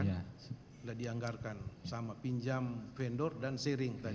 sudah dianggarkan sama pinjam vendor dan sharing tadi